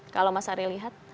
kalau mas ari lihat